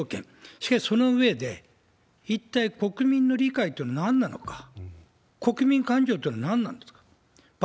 しかしその上で、一体国民の理解ってのはなんなのか、国民感情っていうのは何なのかと。